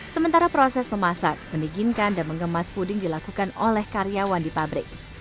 sementara proses memasak meniginkan dan mengemas puding dilakukan oleh karyawan di pabrik